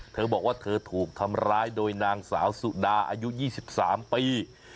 เธอบอกว่าเธอถูกทำร้ายโดยนางสาวสุดาอายุ๒๓ปี